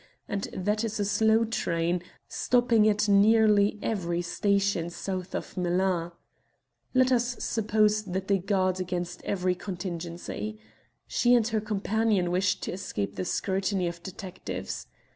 and that is a slow train, stopping at nearly every station south of Melun. Let us suppose that they guard against every contingency. She and her companion wish to escape the scrutiny of detectives.